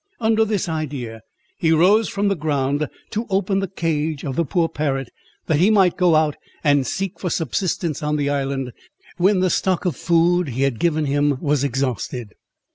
Under this idea, he rose from the ground, to open the cage of the poor parrot, that he might go out and seek for subsistence on the island, when the stock of food be had given him was exhausted.